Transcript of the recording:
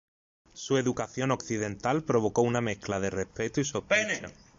Su educación occidental provocó una mezcla de respeto y sospecha.